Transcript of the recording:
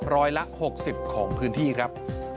ร้อยละ๖๐ของพื้นที่ครับ